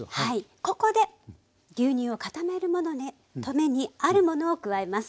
ここで牛乳を固めるためにあるものを加えます。